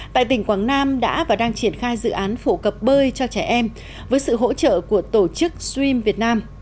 tại tỉnh quảng nam đã và đang triển khai dự án phổ cập bơi cho trẻ em với sự hỗ trợ của tổ chức stream việt nam